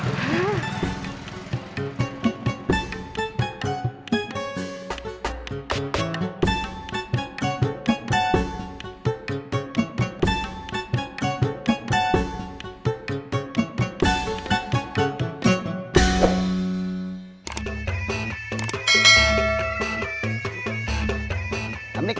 tidak ada pak tissa